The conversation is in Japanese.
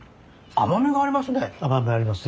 甘みがありますね。